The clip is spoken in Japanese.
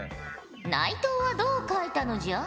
内藤はどう描いたのじゃ？